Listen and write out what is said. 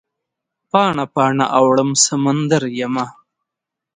پاڼه، پاڼه اوړم سمندریمه